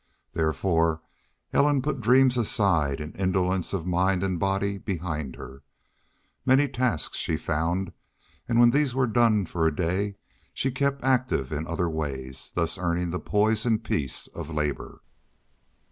Therefore, Ellen put dreams aside, and indolence of mind and body behind her. Many tasks she found, and when these were done for a day she kept active in other ways, thus earning the poise and peace of labor.